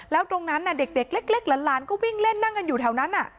แล้วตรงนั้นเด็กเล็กหลานก็วิ่งเล่นนั่งกันอยู่แถวนั้น